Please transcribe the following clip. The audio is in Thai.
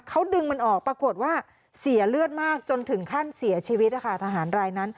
เขาดึงมันออกปรากฏว่าเสียเลือดมากจนถึงขั้นเสียชีวิตนะคะทหารรายนั้น